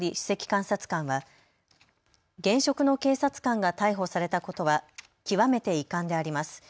監察官は現職の警察官が逮捕されたことは極めて遺憾であります。